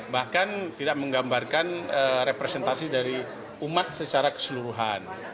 bahkan tidak menggambarkan representasi dari umat secara keseluruhan